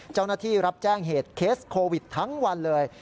เจ้าหน้าที่รับแจ้งเหตุเคสโควิดทั้งวันเลย